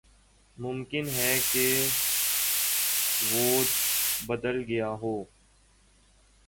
ممکن ہے کہ ووٹر بدل گئے ہوں۔